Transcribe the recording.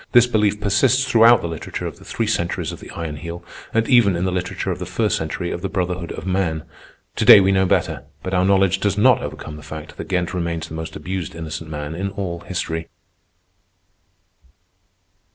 This belief persists throughout the literature of the three centuries of the Iron Heel, and even in the literature of the first century of the Brotherhood of Man. To day we know better, but our knowledge does not overcome the fact that Ghent remains the most abused innocent man in all history.